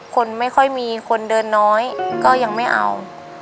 คนไม่ค่อยมีคนเดินน้อยก็ยังไม่เอา